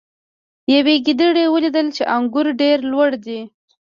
یوې ګیدړې ولیدل چې انګور ډیر لوړ دي.